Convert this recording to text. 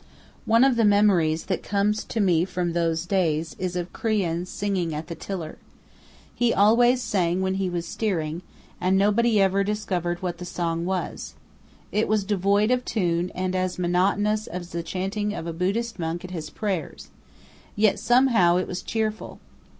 One of the memories that comes to me from those days is of Crean singing at the tiller. He always sang while he was steering, and nobody ever discovered what the song was. It was devoid of tune and as monotonous as the chanting of a Buddhist monk at his prayers; yet somehow it was cheerful.